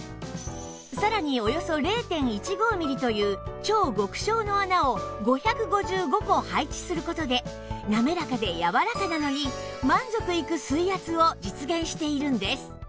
さらにおよそ ０．１５ ミリという超極小の穴を５５５個配置する事でなめらかでやわらかなのに満足いく水圧を実現しているんです